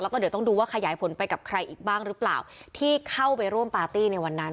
แล้วก็เดี๋ยวต้องดูว่าขยายผลไปกับใครอีกบ้างหรือเปล่าที่เข้าไปร่วมปาร์ตี้ในวันนั้น